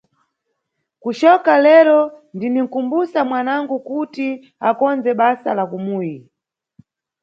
Kucoka lero ndininʼkumbusa mwanangu kuti akondze basa la kumuyi.